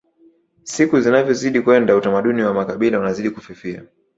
siku zinavyozidi kwenda utamaduni wa makabila unazidi kufifia